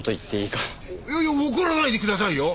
いやいや怒らないでくださいよ。